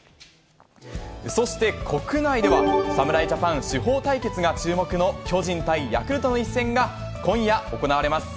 そして国内では侍ジャパン主砲対決が注目の巨人対ヤクルトの一戦が今夜行われます。